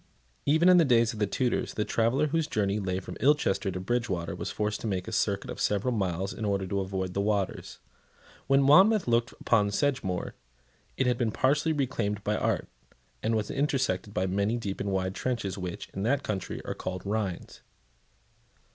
Even in the days of the Tudors, the traveller whose journey lay from Ilchester to Bridgewater was forced to make a circuit of several miles in order to avoid the waters. When Monmouth looked upon Sedgemoor, it had been partially reclaimed by art, and was intersected by many deep and wide trenches which, in that country, are called rhines.